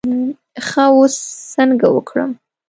ښه اوس څنګه وکړم.